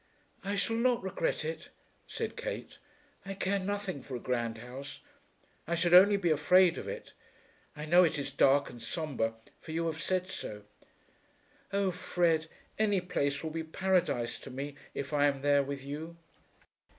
"I shall not regret it," said Kate. "I care nothing for a grand house. I should only be afraid of it. I know it is dark and sombre, for you have said so. Oh, Fred, any place will be Paradise to me, if I am there with you."